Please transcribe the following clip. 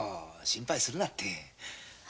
心配するなって！